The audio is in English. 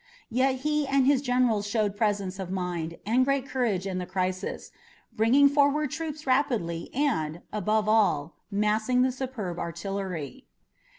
Yet he and his generals showed presence of mind and great courage in the crisis, bringing forward troops rapidly and, above all, massing the superb artillery.